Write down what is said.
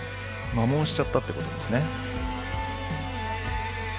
摩耗しちゃったってことですね。